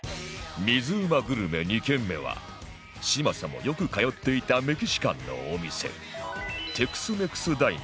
水うまグルメ２軒目は嶋佐もよく通っていたメキシカンのお店